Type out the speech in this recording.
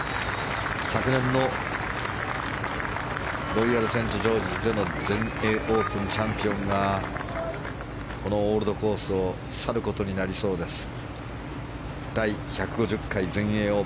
昨年のロイヤルセントジョージズでの全英オープンチャンピオンがこのオールドコースを去ることになりそうです。